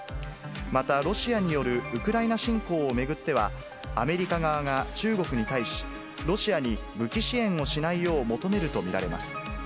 また、ロシアによるウクライナ侵攻を巡っては、アメリカ側が、中国に対し、ロシアに武器支援をしないよう求めると見られます。